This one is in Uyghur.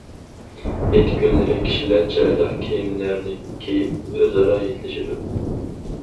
ھېيت كۈنلىرى كىشىلەر چىرايلىق كىيىملەرنى كىيىپ، ئۆزئارا ھېيتلىشىدۇ.